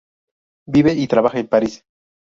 Vive y trabaja en París.